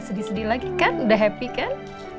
sedih sedih lagi kan udah happy kan